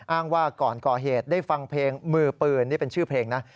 อ้างว่าก่อนก่อเหตุได้ฟังเพลงมือปืนนี่เป็นชื่อเพลงนะ